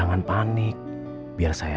bukan kayak brak nya say sars